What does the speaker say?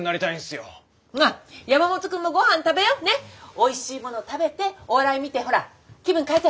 おいしいもの食べてお笑い見てほら気分変えて。